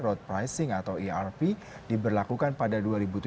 road pricing atau erp diberlakukan pada dua ribu tujuh belas